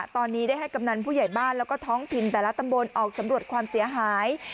ตอนนี้ได้ให้กำนันผู้ใหญ่บ้านแล้วก็ท้องถิ่นแต่ละตำบลออกสำรวจความเสียหาย